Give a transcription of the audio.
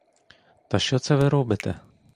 Та що це ви робите?